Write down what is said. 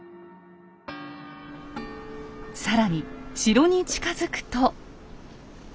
更に城に近づくと。